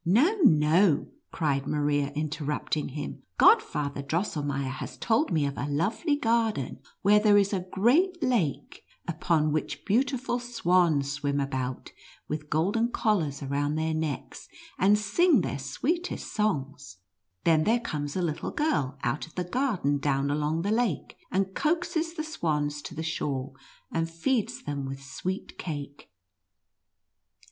" No, no," cried Maria, interrupting him, " God father Drosselmeier has told me of a lovely gar den where there is a great lake, upon which beautiful swans swim about, with golden collars around their necks, and sins: their sweetest son^s. Then there comes a little girl out of the garden down along the lake, and coaxes the swans to the shore, and feeds them with sweet cake."